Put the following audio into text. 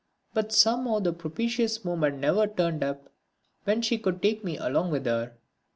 But somehow the propitious moment never turned up when she could take me along with her.